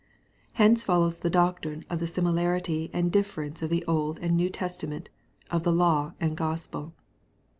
Hence follows the doctrine of the similarity and difference of the Old and New Testament, of the Law and Gospel.